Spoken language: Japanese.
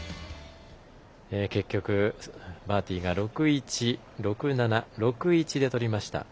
結局、バーティが６−１、６−７６−１でとりました。